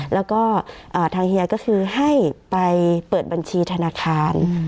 แล้วก็ทางเฮียก็คือให้ไปเปิดบัญชีธนาคาร